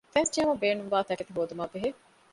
ފެންސް ޖެހުމަށް ބޭނުންވާ ތަކެތި ހޯދުމާބެހޭ